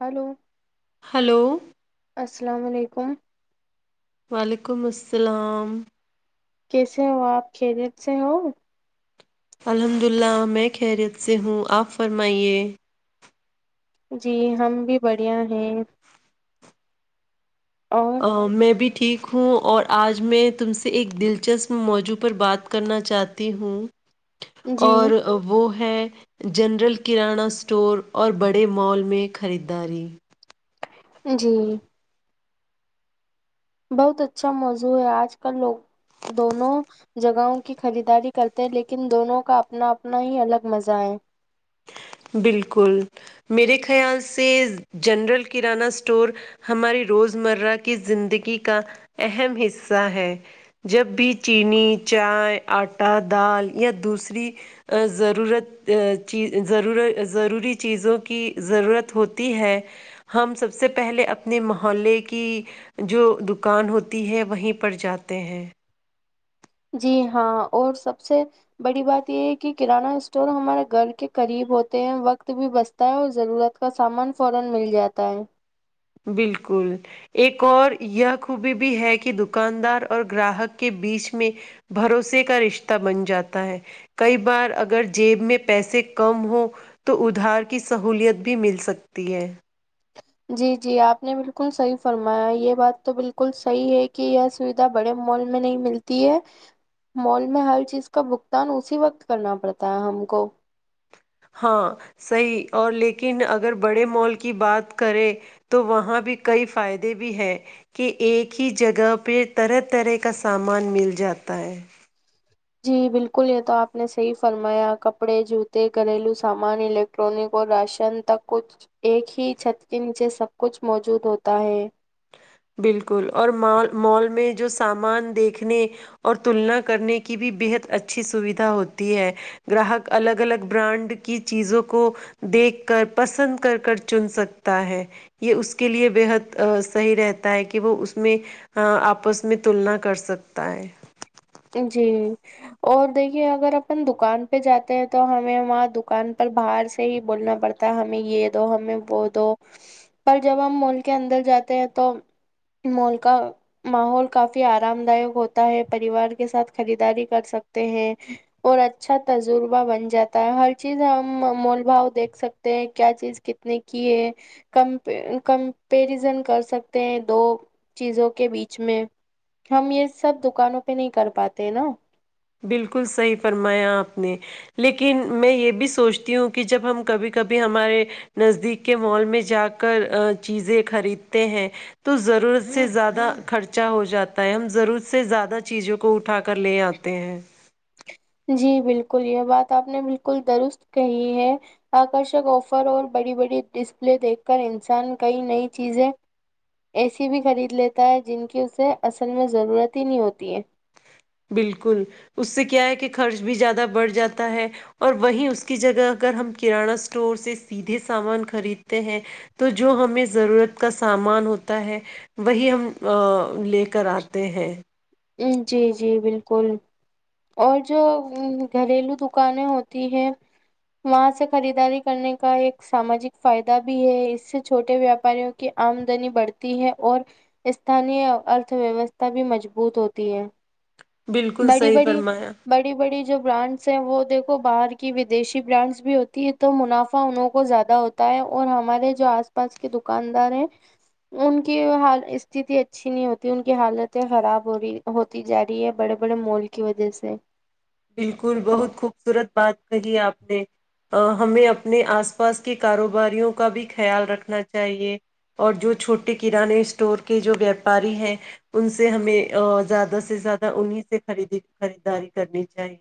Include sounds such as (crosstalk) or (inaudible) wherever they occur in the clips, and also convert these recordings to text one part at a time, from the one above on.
hello hello السلام علیکم وعلیکم السلام کیسے ہو آپ کیریت سے ہو الحمد للہ میں خیریت سے ہوں آپ فرمائیے جی ہم بھی بڑھیا ہیں اور ا میں بھی ٹھیک ہوں اور آج میں تم سے ایک دلچسپ موضوع پر بات کرنا چاہتی ہوں جی اور وہ ہے جنرل کررانہ اسٹور اور بڑے مال میں خریداری جی بہت اچھا موضوع ہے آج کل لوگ دونوں جگہوں کی خریداری کرتے ہیں لیکن دونوں کا اپنا اپنا ہی الگ مزہ ہے بالکل میرے خیال سے جنرل کریانہ اسٹور ہماری روز مرہ کی زندگی کا اہم حصہ ہے جب بھی چینی چائے آٹا دال یا دوسری ضرورت چیز ضرور ضروری چیزوں کی ضرورت ہوتی ہے ہم سب سے پہلے اپنے محلے کی جو دکان ہوتی ہے وہیں پر جاتے ہیں جی ہاں اور سب سے بڑی بات یہ ہے کہ کرانہ سٹور ہمارا گن کے قریب ہوتے ہیں وقت بھی بچتا ہے اور ضرورت کا سامان فورا مل جاتا ہے بالکل ایک اور یہ خوبی بھی ہے کہ دکاندار اور گراہک کے بیچ میں بھروسے کا رشتہ بن جاتا ہے کئی بار اگر جیب میں پیسے کم ہوں تو ادھار کی سہولت بھی مل سکتی ہے جی جی آپ نے بالکل صحیح فرمایا یہ بات تو بالکل صحیح ہے کہ یہ سویدھا بڑے مال میں نہیں ملتی ہے مال میں ہر چیز کا بگتان اسی وقت کرنا پڑتا ہے ہم کو ہاں صحیح اور لیکن اگر بڑے مال کی بات کریں تو وہاں بھی کئی فائدے بھی ہیں کہ ایک ہی جگہ پہ طرح طرح کا سامان مل جاتا ہے جی بالکل یہ تو آپ نے صحیح فرمایا کپڑے جوتے گھریلو سامان الیکٹرانک اور راشن تک کچھ ایک ہی چھت کے نیچے سب کچھ موجود ہوتا ہے بالکل اور م مال میں جو سامان دیکھنے اور تلنا کرنے کی بھی بےحد اچھی سویدھا ہوتی ہے گراہک الگ الگ برانڈ کی چیزوں کو دیکھ کر پسند کر کر چن سکتا ہے یہ اس کے لیے بےحد صحیح رہتا ہے کہ وہ اس میں آپس میں تلنا کر سکتا ہے جی اور دیکھیے اگر اپن دکان پہ جاتے ہیں تو ہمیں وہاں دکان پر باہر سے ہی بولنا پڑتا ہے ہمیں یہ دو ہمیں وہ دو پر جب ہم مال کے اندر جاتے ہیں تو مال کا ماحول کافی آرام داک ہوتا ہے پریوار ساتھ خریداری کر سکتے ہیں اور اچھا تجربہ بن جاتا ہے ہر چیز ہم مول بھؤ دیکھ سکتے ہیں کیا چیز کتنے کی ہے ک کمپیرزن کر سکتے ہیں دو چیزوں کے بیچ میں ہم یہ سب دکانوں پہ نہیں کر پات نا بالکل صحیح فرمایا آپ نے لیکن میں یہ بھی سوچتی ہوں کہ جب ہم کبھی کبھی ہمارے نزدیک کے مال میں جا کر چیزیں خریدتے ہیں تو ضرورت سے زیادہ خرچہ ہو جاتا ہے ہم ضرورت سے زیادہ چیزوں کو اٹھا کر لے آتے تیز جی بالکل یہ بات آپ نے بالکل درست کہی ہے آکرشک آفر اور بڑی بڑی ڈسپلے دیکھ کر انسان کئی نئی چیزیں ایسی بھی خرید لیتا ہے جن کی اسے اصل میں ضرورت ہی نہیں ہوتی ہے بالکل اس سے کیا ہے کہ خرچ بھی زیادہ بڑھ جاتا ہے اور وہی اس کی جگہ اگر ہم کرانہ اسٹور سے سیدھے سامان خریدتے ہیں تو جو ہمیں ضرورت کا سامان ہوتا ہے وہی ہم لے کر آتے ہیں جی جی بالکل اور جو گھریلو دکانیں ہوتی ہے وہاں سے خریداری کرنے کا ایک ساماجک فائدہ بھی ہے اس سے چھوٹے ویاپاریوں کی آمدنی بڑھتی ہے اور استانییہ ارتھ ویوستھا بھی مجبو بوت ہوتی ہے بالکل بڑی صحیح بڑی فرمایا بڑی بڑی جو برانڈ سے وہ دیکھو باہر کی ودیشی برانڈس بھی ہوتی ہے تو منافع انوں کو زیادہ ہوتا ہے اور ہمارے جو آس پاس کے دکاندار ہیں ان کیال است اچھی نہیں ہوتی ان کی حالتیں خراب ہو رہی ہوتی جا رہی ہے بڑے بڑے مول کی وجہ سے بالکل بہت خوبصورت بات کہی آپ ہمیں اپنے آس پاس کے کاروباریوں کا بھی خیال رکھنا چاہیے اور جو چھوٹے کانے اسٹور کے جو ویاپاری ہیں ان سے ہمیں زیادہ سے زیادہ انہیں سے خریدی خریداری کرنی جاہے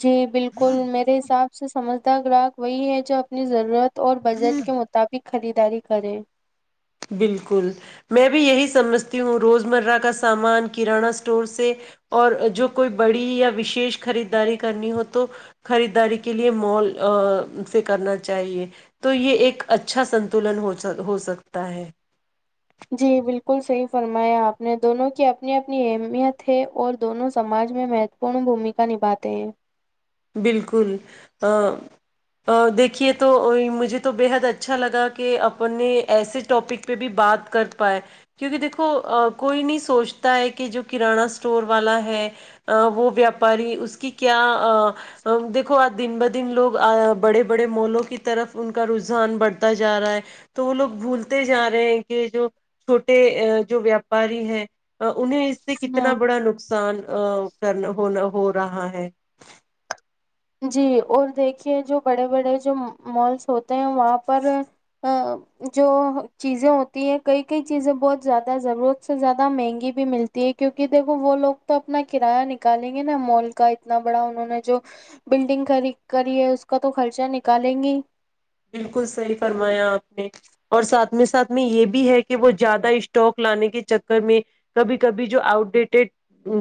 جی بالکل میرے حساب سے سمجھ گراہک وہی ہے جو اپنی ضرورت اور بجٹ کے مطابق خریداری کرے بالکل میں بھی یہی سمجھتی ہوں روز مرہ کا سامان کررانہ اسٹور سے اور جو کوئی بڑی یا وشیش خریدداری کرنی ہو تو خریداری کے لیے مال سے کرنا چاہیے تو یہ ایک اچھا سنتلن ہو سکتا تا ہے جی بالکل صحیح فرمایا آپ نے دونوں کی اپنی اپنی اہمیت ہے اور دونوں سماج میں مہتوپورن بھومکا نبھاتے ہیں بالکل دیکھیے تو مجھے تو بےحد اچھا لگا کہ اپنے ایسے ٹاپک پہ بھی بات کر پائے کیونکہ دیکھو کوئی نہیں سوچتا ہے کہ جو کررانہ اسٹور والا ہے وہ ویاپاری اس کی کیا ا دیکو آج دن ب دن لوگ بڑے بڑے مولوں کی طرف ان کا رجحان بڑھتا جا رہا ہے تو وہ لوگ بھولتے جا رہے ہیں کہ جو چھوٹے جو ویاپاری ہے انہیں اس سے ہ کتنا بڑا نقصان کرنا ہونا ہو ہو رہا ہے جی اور دیکھیے جو بڑے بڑے جو مالس ہوتے ہیں وہاں پر جو چیزیں ہوتی ہیں کئی کئی چیزیں بہت زیادہ ضرورت سے زیادہ مہنگی بھی ملتی ہے کیونکہ دیکھو وہ لوگ تو اپنا کرایہ نکالیں گے نا مال کا اتنا بڑا انہوں نے جو بلڈنگ کری ہے اس کا تو خرچہ نکالیں گی بالکل صحیح فرمایا آپ نے اور ساتھ میں ساتھ میں یہ بھی ہے کہ وہ زیادہ اسٹاک لانے کے چکر میں کبھی کبھی جو آؤٹ ڈیٹڈ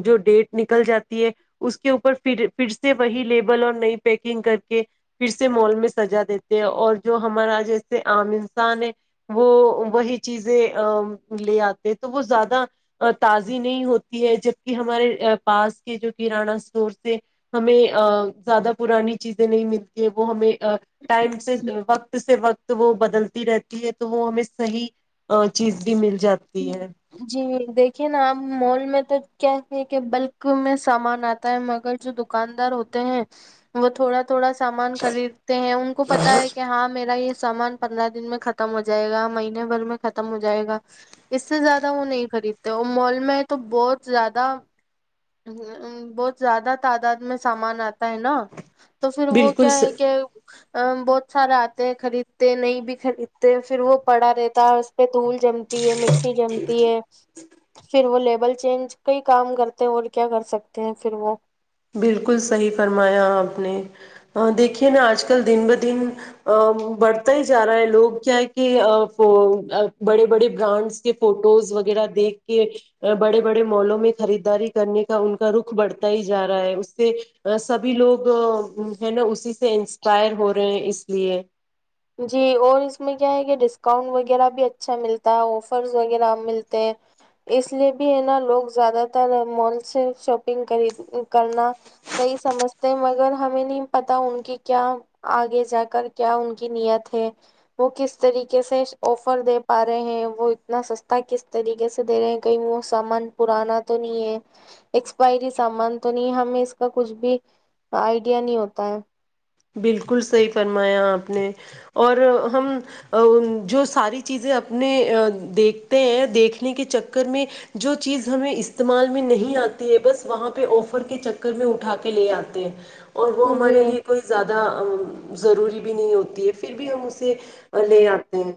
جو ڈیٹ نکل جاتی ہے اس کے اوپر پھر سے وہی لیبل اور نئی پیکنگ کر کے پھر سے مال میں سجا دیتے اور جو ہمارا جیسے عام انسان ہے وہ وہی چیزیں لے آتے تو وہ زیادہ تازی نہیں ہوتی ہے جبک ہمارے پاس کے جو کرانہ اسٹور سے ہمیں زیادہ پرانی چیزیں نہیں ملتی وہ ہمیں ٹائم سے وقت سے وقت وہ بدلتی رہتی ہے تو وہ ہمیں صحیح چیز بھی ملتی جی دیکھیے نا آپ مال میں کیاتے کہ بلک میں سامان آتا ہے مگر جو دکاندار ہوتے ہیں وہ تھوڑا تھوڑا سامان خریدتے ہیں ان کو پتا ہے کہ ہاں میرا یہ سامان پندرہ دن میں ختم ہو جائے گا مہینے بھر میں ختم ہو جائے گا اس سے زیادہ وہ نہیں خریدتے اور مال میں تو بہت زیادہ بہت زیادہ تعداد میں سامان آتا ہے نا تو پھر وہ بالکل کیا ہے کہ ا بہت سارا آتے ہیں خریدتے نہیں بھی خریدتے پھر وہ پڑا رہتا ہے اس پہ دول جمتی ہے م (unintelligible) جمتی ہے پھر وہ لی ڈبل چینج کئی کام کرتے ہیں اور کیا کر سکتے ہیں پھر وہ بالکل صحیح فرمایا آپ نے دیکھیے نا آج کل دن ب دن بڑھتا ہی جا رہا ہے لوگ کیا کہ بڑے بڑے برانڈس کے فوٹوز وغیرہ دیکھ کے بڑے بڑے مالوں میں خریداری کرنے کا ان کا رخ بڑھتا ہی جا رہا ہے اس سے سبھی لوگ ہے نا اسی سے انسپائر ہو رہے ہیں اس لیے جی اور اس میں کیا ہے کہ ڈسکاؤنٹ وغیرہ بھی اچھا ملتا ہے آفرز وغیرہ ملتے ہیں اس لیے بھی ہے نا لوگ زیادہ تر مال سے شاپنگ کر کرنا صحیح سمجھتے ہیں مگر ہمیں نہیں پتا ان کے کیا آگے جا کر کیا کی نیت ہے وہ کس طریقے سے آفر دے پا رہے ہیں وہ اتنا سستا کس طریقے سے دے رہے ہیں کہیں وہ سامان پرانا تو نہیں ہے ایکسپائری سامان تو نہیں ہے ہمیں اس کا کچھ بھی آئیڈیا نہیں ہوتا ہے بالکل صحی فرمایا آپ نے اور ہم جو ساری چیزیں اپنے دیکھتے ہیں دیکھنے کے چکر میں جو چیز ہمیں استعمال میں نہیں آتی ہے بس وہاں پہ آفر کے چکر میں اٹھا کے لے آتے ہیں اور وہ ہمارے لی جی زہ ضروری بھی نہیں ہوتی ہے پھر بھی ہم اسے لے آتے ہیں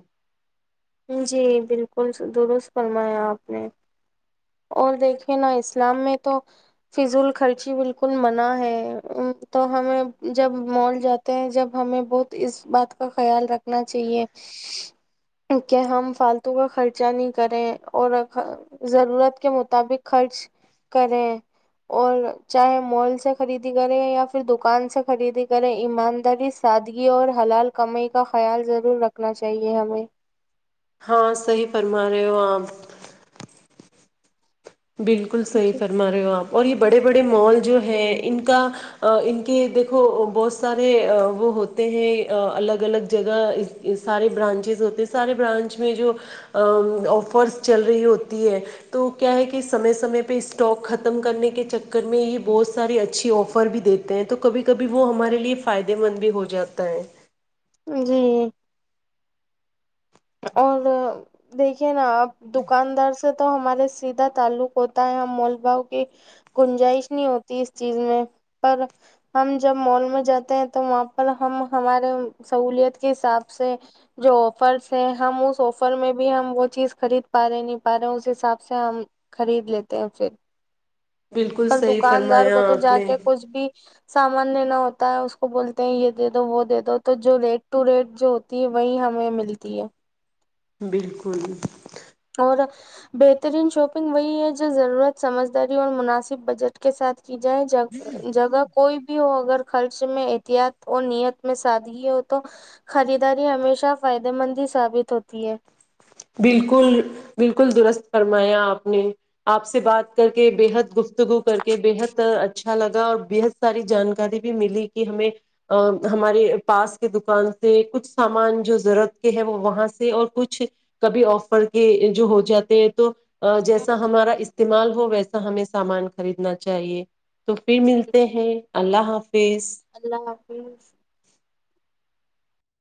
جی بالکل درست فرمایا آپ نے اور دیکھے نا اسلام میں تو فض ال خرچی بالکل منع ہے تو ہمیں جب مال جاتے ہیں جب ہمیں بہت اس بات کا خیال رکھنا چاہیے کہ ہم فالتو کا خرچہ نہیں کریں اور ضرورت کے مطابق خرچ کریں اور چاہے مال سے خریدی کریں یا پھر دکان سے خریدی کریں ایمانداری سادگی اور حلال کم کا خیال ضرور رکھنا چاہیے ہمیں ہاں صحیح فرما رہے ہو آپ بالکل صحیح جی فرما رہے ہو آپ اور یہ بڑے بڑے مال جو ہیں ان کا ان کے دیکھو بہت سارے وہ ہوتے ہیں الگ الگ جگہ سارے برانچیز ہوتے ہیں سارے برانچ میں جو آفرس چل رہی ہوتی ہے تو کیا ہے کہ کہ سمے سمے پہ اسٹاک ختم کرنے کے چکر میں یہ بہت ساریے اچھیے آفر بھی دیتے ہیں تو کبھی کبھی وہ ہمارے لیے فائدے مند بھی ہو جاتا ہے جی اور دیکھیے نا آپ دکاندار سے سے تو ہمارے سیدھا تعلق ہوتا ہے ہم مال باؤ کی گنجائش نہیں ہوتی اس چیز میں پر ہم جب مال میں جاتے ہیں تو وہاں پر ہم ہمارے سہولت کے حساب سے جو آفرس سے ہم اسس آفر میں بھی ہم وہ چیز خرید پا رہے نہیں پا رہے اس حساب سے ہم خرید لیتے ہیں پھر بالکل اور صحیح دکاندار کو فرمایا تو آپ جا نے کے کچھ بھی سامان لینا ہوتا ہے اس کو بولتے ہیں یہ دے دو وہ دے دو تو جو ریٹ ٹو ریٹ جو ہوتی ہے وہی ہمیں ملتی تی ہے (unintelligible) بالکل اور بہترین شاپنگ وہی ہے جو ضرورت سمجھداری اور مناسب بجٹ کے ساتھ چی جیں ج جگہ کوئی بھی ہو اگر خرچ میں احتیاط اور نیت میں سادگی ہو تو خریداری ہمیشہ فائدے مند ہی ثابت ہوتی ہے بالکل بالکل درست فرمایا آپ نے آپ سے بات کر کے بےحد گفتگو کر کے بےحد اچھا لگا اور بےحد ساری جانکاری بھی ملی کہ ہمیں ہمارے پاس کے دکان سے کچھ سامان جو ضرورت کے ہے وہ وہاں سے اور کچھ کبھی آفر کے جو ہو جاتے ہیں تو جیسا جی ہمارا استعمال ہو ویسا تو ہمیں سامان خریدنا چاہیے تو پھر جی ملتے ہیں اللہ حافظ اللہ حافظ